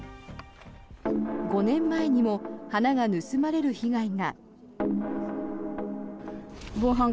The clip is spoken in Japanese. ５年前にも花が盗まれる被害が。